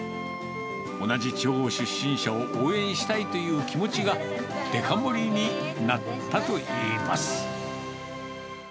同じ地方出身者を応援したいという気持ちが、デカ盛りになったといいます。